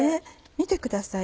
見てください